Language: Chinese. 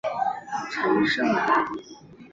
陈胜人。